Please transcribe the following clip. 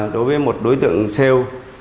đối với một đối tượng sale